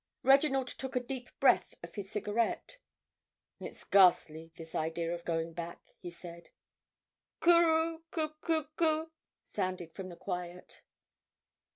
Reginald took a deep breath of his cigarette. "It's ghastly, this idea of going back," he said. "Coo roo coo coo coo," sounded from the quiet.